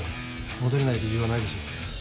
戻れない理由はないでしょ？